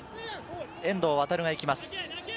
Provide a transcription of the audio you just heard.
遠藤航が行きます。